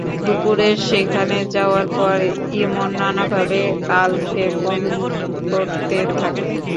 দুপুরে সেখানে যাওয়ার পর ইমন নানাভাবে কালক্ষেপণ করতে থাকে।